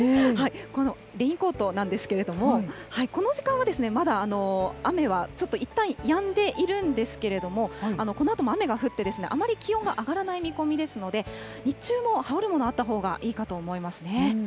このレインコートなんですけれども、この時間はまだ雨は、ちょっといったんやんでいるんですけれども、このあとも雨が降って、あまり気温が上がらない見込みですので、日中も羽織るもの、あったほうがいいかと思いますね。